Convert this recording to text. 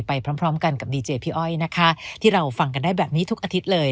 พร้อมพร้อมกันกับดีเจพี่อ้อยนะคะที่เราฟังกันได้แบบนี้ทุกอาทิตย์เลย